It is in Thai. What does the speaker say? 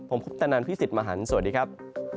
ผมพุทธนันทร์พี่สิทธิ์มหันธ์สวัสดีครับ